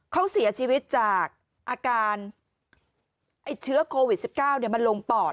เขาเสียชีวิตจากอาการไอ้เชื้อโควิด๑๙มันลงปอด